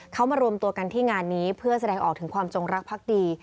เขามารวมตัวกันที่งานนี้เพื่อแสดงออกถึงความจงรักพักดี